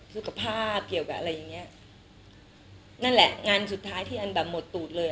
คือกับภาพเกี่ยวกับอะไรอย่างเงี้ยนั่นแหละงานสุดท้ายที่อันแบบหมดตูดเลย